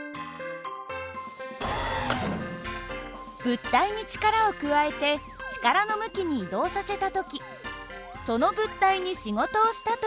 物体に力を加えて力の向きに移動させた時その物体に仕事をしたといいます。